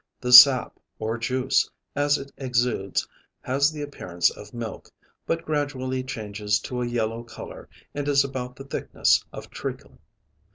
The sap, or juice, as it exudes has the appearance of milk, but gradually changes to a yellow color and is about the thickness of treacle.